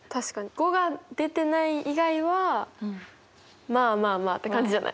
５が出てない以外はまあまあまあって感じじゃない？